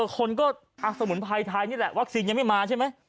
คนก็สมุนไพรไทยนี่แหละวัคซีนยังไม่มาใช่ไหม